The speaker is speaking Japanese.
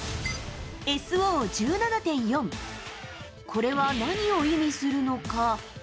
ＳＯ１７．４、これは何を意味するのか。